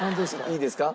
いいですか？